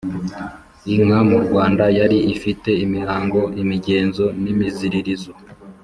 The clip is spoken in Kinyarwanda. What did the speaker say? inka mu rwanda yari ifite imihango, imigenzo n’imiziririzo